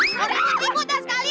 ih sakit duh